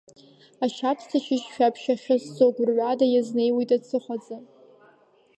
Ашьабсҭа шьыжь шәаԥшь ахьыӡсо, гәырҩада иазнеиуеит ацыхаӡы.